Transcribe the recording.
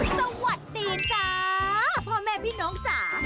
สวัสดีจ้าพ่อแม่พี่น้องจ๋า